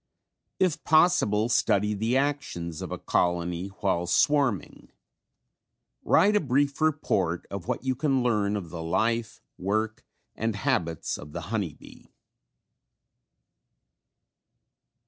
If possible study the actions of a colony while swarming. Write a brief report of what you can learn of the life, work and habits of the honey bee.